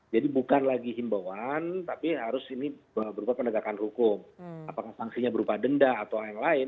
jadi bukan lagi himbauan tapi harus ini berupa penegakan hukum apakah sanksinya berupa denda atau lain lain